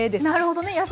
なるほどね！